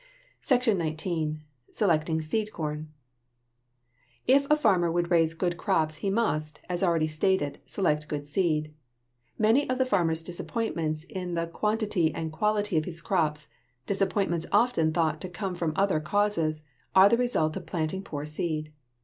SECTION XIX. SELECTING SEED CORN If a farmer would raise good crops he must, as already stated, select good seed. Many of the farmer's disappointments in the quantity and quality of his crops disappointments often thought to come from other causes are the result of planting poor seed.